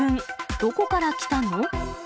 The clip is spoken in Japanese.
どこから来たの？